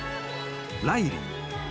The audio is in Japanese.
ライリー。